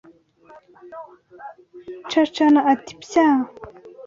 Cacana ati: Pya